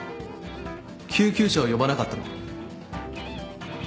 救急車を呼ばなかったのは？